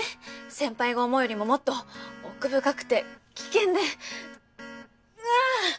先輩が思うよりももっと奥深くて危険であぁっ！